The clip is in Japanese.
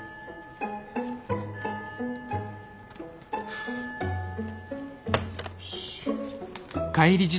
ふぅよし。